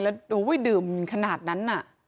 แล้วดูดื่มขนาดนั้นน่ะ